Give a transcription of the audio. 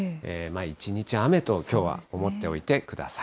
一日、雨ときょうは思っておいてください。